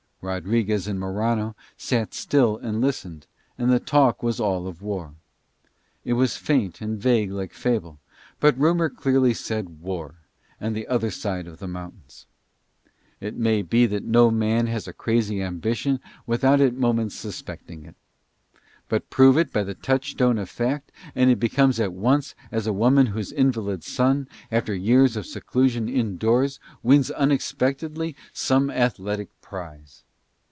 Rodriguez and Morano sat still and listened, and the talk was all of war. It was faint and vague like fable, but rumour clearly said War, and the other side of the mountains. It may be that no man has a crazy ambition without at moments suspecting it; but prove it by the touchstone of fact and he becomes at once as a woman whose invalid son, after years of seclusion indoors, wins unexpectedly some athletic prize.